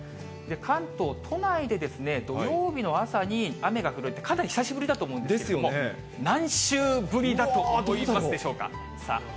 関東、都内で土曜日の朝に雨が降るって、かなり久しぶりだと思うんですけれども、何週ぶりだと思いますでしょうか？